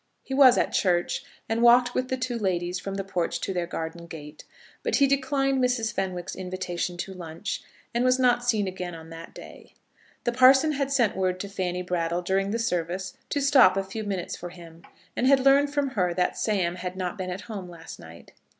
He was at church, and walked with the two ladies from the porch to their garden gate, but he declined Mrs. Fenwick's invitation to lunch, and was not seen again on that day. The parson had sent word to Fanny Brattle during the service to stop a few minutes for him, and had learned from her that Sam had not been at home last night.